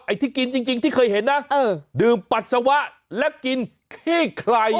ที่กินจริงที่เคยเห็นนะดื่มปัสสาวะและกินขี้ไข่